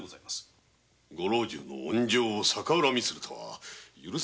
ご老中の恩情を逆恨みするとは。